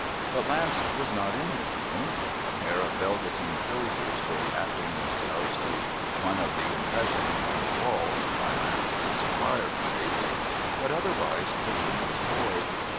But Lamps was not in his room. A pair of velveteen shoulders were adapting themselves to one of the impressions on the wall by Lamps's fireplace, but otherwise the room was void.